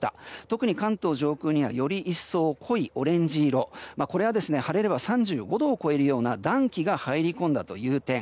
特に関東上空にはより一層濃いオレンジ色これは晴れれば３５度を超えるような暖気が入り込んだという点。